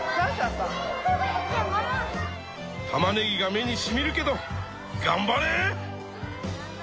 たまねぎが目にしみるけどがんばれ！